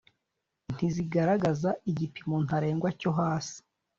ntizigaragaza igipimo ntarengwa cyo hasi